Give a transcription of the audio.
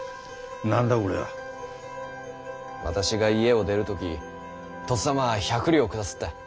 私が家を出る時とっさまは１００両下さった。